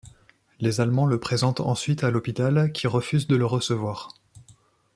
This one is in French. Les Allemands le présentent ensuite à l’hôpital qui refuse de le recevoir.